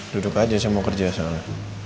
duduk aja saya mau kerja soalnya